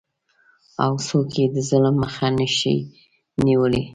او څوک یې د ظلم مخه نشي نیولی؟